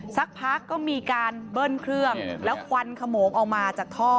สักพักก็มีการเบิ้ลเครื่องแล้วควันขโมงออกมาจากท่อ